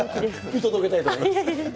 見届けたいと思います。